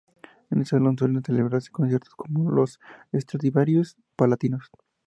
En este salón suelen celebrarse conciertos con los Stradivarius Palatinos.